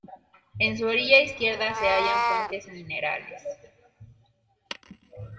En su orilla izquierda se hallan fuentes minerales.